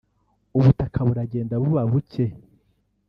ubutaka buragenda buba buke